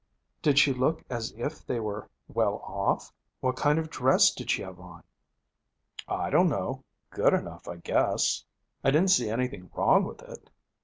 'Did she look as if they were well off? What kind of a dress did she have on?' 'I don't know. Good enough, I guess. I didn't see anything wrong with it.